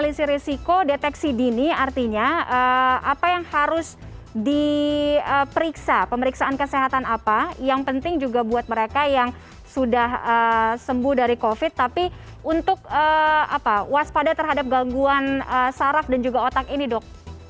kondisi risiko deteksi dini artinya apa yang harus diperiksa pemeriksaan kesehatan apa yang penting juga buat mereka yang sudah sembuh dari covid tapi untuk waspada terhadap gangguan saraf dan juga otak ini dok